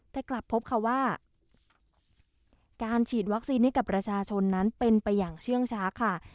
แต่กลับพบค่ะว่าการฉีดวัคซีนให้กับประชาชนนั้นเป็นไปอย่างเชื่องช้าค่ะ